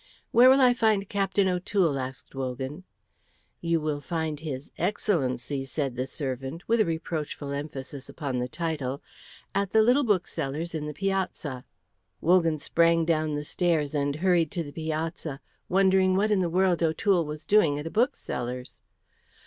"Where will I find Captain O'Toole?" asked Wogan. "You will find his Excellency," said the servant, with a reproachful emphasis upon the title, "at the little bookseller's in the Piazza." Wogan sprang down the stairs and hurried to the Piazza, wondering what in the world O'Toole was doing at a bookseller's.